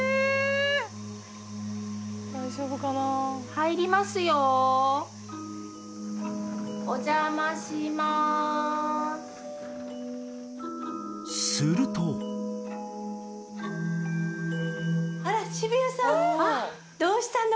入りますよお邪魔しますするとあら渋谷さんどうしたの？